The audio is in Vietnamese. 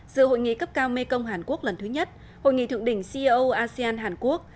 giữa hội nghị cấp cao mekong hàn quốc lần thứ nhất hội nghị thượng đỉnh ceo asean hàn quốc